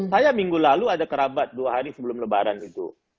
saya minggu lalu ada kerabat dua hari sebelum lebaran itu